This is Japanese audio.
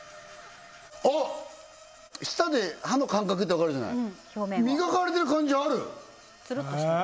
ああっ舌で歯の感覚ってわかるじゃない磨かれてる感じあるツルッとしてる？